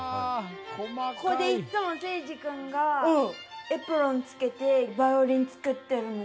ここでいっつも聖司君がエプロン着けてバイオリン作ってるの。